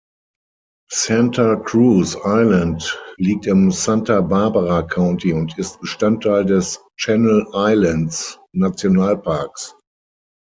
Santa Cruz Island liegt im Santa Barbara County und ist Bestandteil des Channel-Islands-Nationalparks.